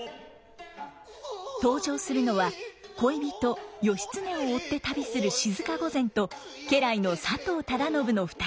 登場するのは恋人義経を追って旅する静御前と家来の佐藤忠信の２人。